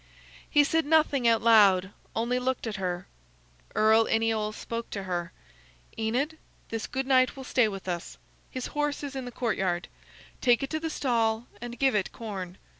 He said nothing out loud, only looked at her. Earl Iniol spoke to her: "Enid, this good knight will stay with us. His horse is in the courtyard; take it to the stall and give it corn.